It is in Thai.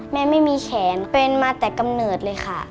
ไม่มีแขนเป็นมาแต่กำเนิดเลยค่ะ